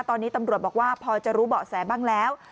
ตอนนี้ตำรวจบอกว่าพอจะรู้เบาะแสบ้างแล้ว